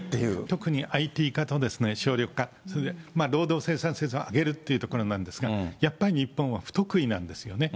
特にＩＴ化と省力化、労働生産性を上げるっていうところなんですが、やっぱり日本は不得意なんですよね。